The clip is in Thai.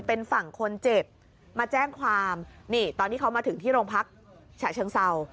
เป็นฝั่งคนเจ็บมาแจ้งความนี่ตอนที่เขามาถึงที่โรงพักฉะเชิงเศร้า